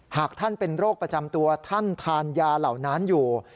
หากท่านเป็นโรคประจำตัวท่านทานยาเหล่านั้นอยู่